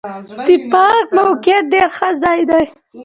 د پارک موقعیت ډېر ښه ځای دی.